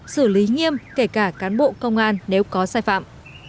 xử lý nghiêm kể cả cán bộ công an nếu có sai phạm